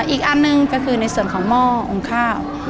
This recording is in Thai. อีกอันหนึ่งก็คือในส่วนของหม้อองค์ข้าว